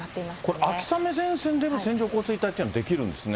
これ、秋雨前線での線状降水帯っていうの出来るんですね。